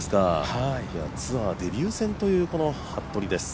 ツアーデビュー戦というこの服部です。